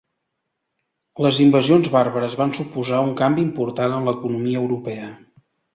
Les invasions bàrbares van suposar un canvi important en l'economia europea.